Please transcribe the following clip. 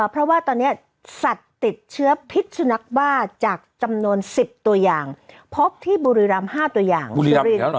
เพราะว่าตอนเนี้ยสัตว์ติดเชื้อพิษสุนักบ้าจากจำนวนสิบตัวอย่างพบที่บุรีรัมณ์ห้าตัวอย่างบุรีรัมณ์แล้วเหรอ